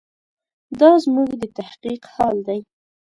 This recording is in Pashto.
دا زموږ د تحقیق حال دی.